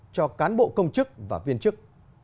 cho cán bộ công chức và viên chức